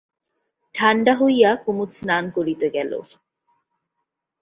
ঠাণ্ডা হইয়া কুমুদ স্নান করিতে গেল।